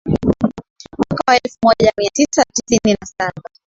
Mwaka wa elfu moja mia tisa tisini na saba